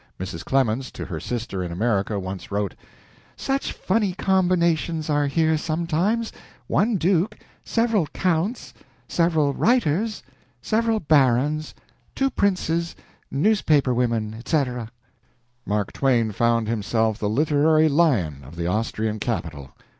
Mrs. Clemens, to her sister in America, once wrote: "Such funny combinations are here sometimes: one duke, several counts, several writers, several barons, two princes, newspaper women, etc." Mark Twain found himself the literary lion of the Austrian capital.